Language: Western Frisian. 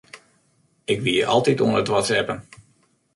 Ik wie altyd oan it whatsappen.